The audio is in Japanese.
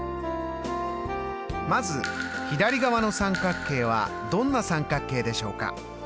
まず左側の三角形はどんな三角形でしょうか？